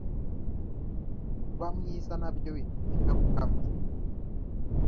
Kuba mwiza nabyo bifite ingaruka mbi.